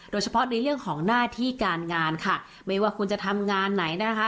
โดยเฉพาะในเรื่องของหน้าที่การงานค่ะไม่ว่าคุณจะทำงานไหนนะคะ